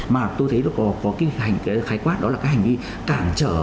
mà tôi thấy có cái hành vi khái quát đó là cái hành vi cản trở